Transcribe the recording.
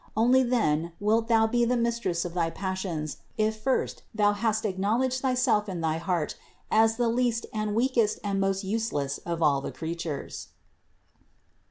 Only then wilt thou be the mistress of the passions, if first thou hast acknowledged thyself in thy heart as the least and weak est and most useless of all the creatures.